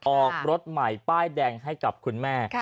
ออกรถใหม่ป้ายแดงให้กับคุณแม่